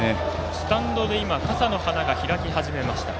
スタンドで傘の花が開き始めました。